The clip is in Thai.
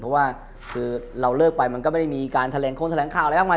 เพราะว่าคือเราเลิกไปมันก็ไม่ได้มีการแถลงคงแถลงข่าวอะไรมากมาย